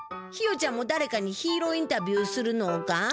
ひよちゃんもだれかにヒーローインタビューするのか？